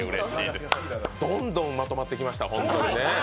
どんどんまとまってきました。